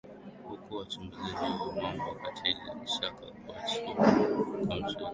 huku wachambuzi wa mambo wakitilia shaka kuachiwa kwa mwanaharakati huyo